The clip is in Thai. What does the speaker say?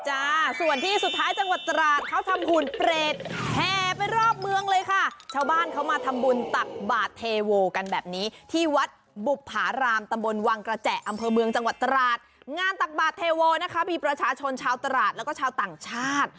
จ้าส่วนที่สุดท้ายจังหวัดตราดเขาทำหุ่นเปรตแห่ไปรอบเมืองเลยค่ะ